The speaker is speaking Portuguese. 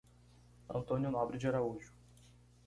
Antônio Nobre de Araújo